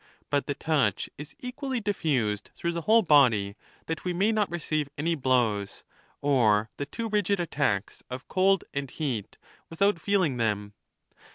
Bnt the touch is equally diffused through the whole body, that we may not receive any blows, or the too rigid attacks of cold and heat, without feeling them.